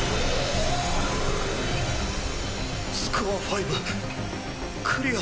スコア５クリア。